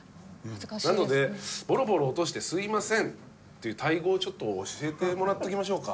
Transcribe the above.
なので「ボロボロ落としてすみません」というタイ語をちょっと教えてもらっておきましょうか。